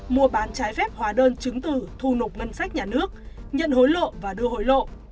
mua bán trái phép hóa đơn chứng từ thu nộp ngân sách nhà nước nhận hối lộ và đưa hối lộ